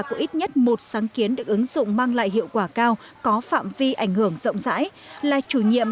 của ít nhất một sáng kiến được ứng dụng mang lại hiệu quả cao có phạm vi ảnh hưởng rộng rãi là chủ nhiệm